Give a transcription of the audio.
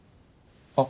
あ。